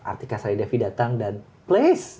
artika saya devi datang dan place